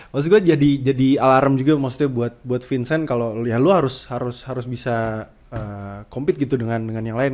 maksudnya gue jadi alarm juga maksudnya buat vincent kalau ya lo harus bisa compete gitu dengan yang lain